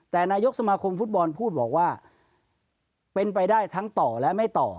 แต่นายกสมาคมฟุตบอลพูดบอกว่าเป็นไปได้ทั้งต่อและไม่ต่อ